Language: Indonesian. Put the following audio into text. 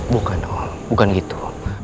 bukan om bukan gitu